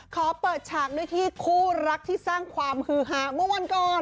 ขอเปิดฉากด้วยที่คู่รักที่สร้างความฮือหาเมื่อวันก่อน